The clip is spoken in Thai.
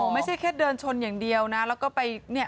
ไม่ใช่แค่เดินชนอย่างเดียวนะแล้วก็ไปเนี่ย